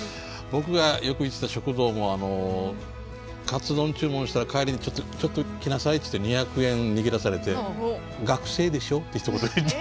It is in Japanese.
僕がよく行ってた食堂もカツ丼注文したら帰りに「ちょっと来なさい」っていって２００円握らされて「学生でしょ？」ってひと言言って。